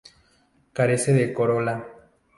Carece de corola.